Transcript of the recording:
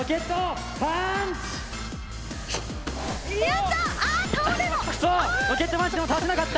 やった！